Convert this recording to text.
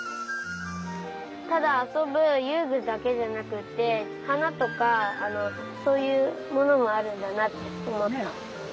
ただあそぶゆうぐだけじゃなくってはなとかそういうものもあるんだなっておもった。